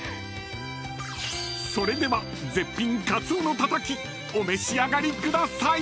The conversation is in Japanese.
［それでは絶品カツオのたたきお召し上がりください］